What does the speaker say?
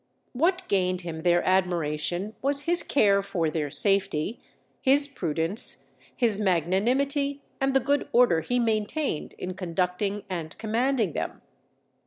_" What gained him their admiration was his care for their safety, his prudence, his magnanimity, and the good order he maintained in conducting and commanding them.